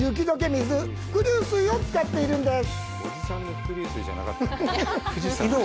水伏流水を使っているんです